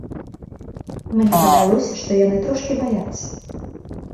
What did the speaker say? Мне падалося, што яны трошкі баяцца.